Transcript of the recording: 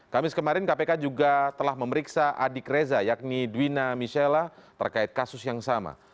kamis kemarin kpk juga telah memeriksa adik reza yakni duwina michella terkait kasus yang sama